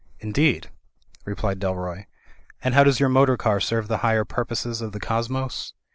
"Indeed," replied Dalroy, "and how does your motor \ car serve the higher purposes of the cosmos?"